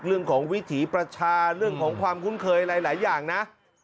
เรื่องของวิถีประชาเรื่องของความคุ้นเคยหลายอย่างนะ